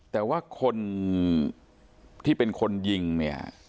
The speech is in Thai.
แต่ว่าคนที่เป็นคนยิงเนี่ย